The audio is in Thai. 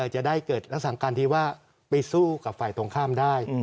จะได้เกิดลักษณะการที่ว่าไปสู้กับฝ่ายตรงข้ามได้